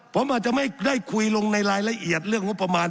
ผมอาจจะไม่ได้คุยลงในรายละเอียดเรื่องงบประมาณ